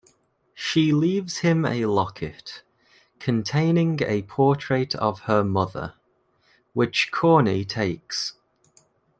She leaves him a locket, containing a portrait of her mother, which Corney takes.